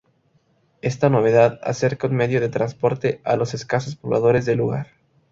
Esta novedad, acerca un medio de transporte a los escasos pobladores del lugar.